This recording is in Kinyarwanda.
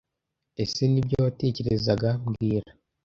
Ese Nibyo watekerezaga mbwira